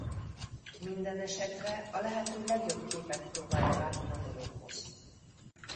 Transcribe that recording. Mindenesetre a lehető legjobb képet próbálja vágni a dolgokhoz.